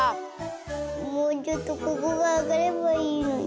もうちょっとここがあがればいいのに。